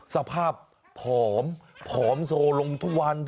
สภาพผอมผอมโซลงทุกวัน